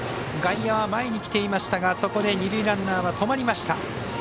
外野は前に来ていましたがそこで二塁ランナーは止まりました。